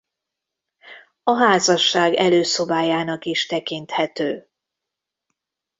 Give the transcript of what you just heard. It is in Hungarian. A házasság előszobájának is tekinthető.